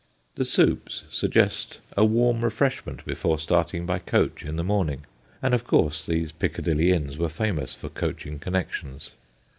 The soups suggest a warm refreshment before starting by coach in the morning, and of course these Piccadilly inns were famous for coaching connections.